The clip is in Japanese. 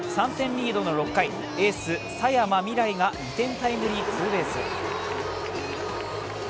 ３点リードの６回、エース・佐山未来が２点タイムリーツーベース。